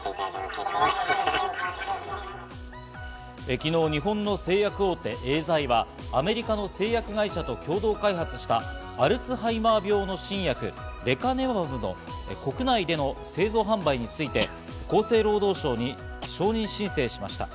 昨日、日本の製薬大手エーザイはアメリカの製薬会社と共同開発した、アルツハイマー病の新薬・レカネマブの国内での製造販売について厚生労働省に承認申請しました。